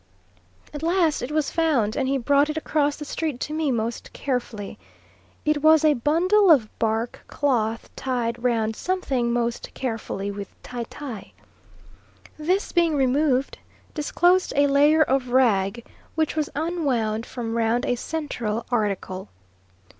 At last it was found, and he brought it across the street to me most carefully. It was a bundle of bark cloth tied round something most carefully with tie tie. This being removed, disclosed a layer of rag, which was unwound from round a central article.